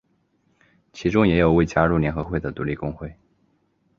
其中也有未加入联合会的独立工会。